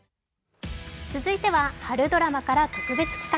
続いては春ドラマから特別企画。